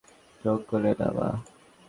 জঙ্গলে না, মা।